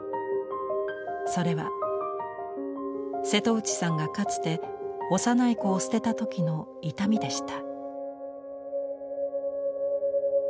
それは、瀬戸内さんがかつて幼い子を捨てたときの痛みでした。